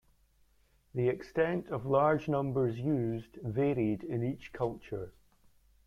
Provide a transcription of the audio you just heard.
The extent of large numbers used varied in each culture.